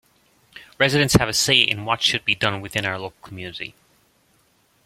Residents have a say in what should be done within our local community.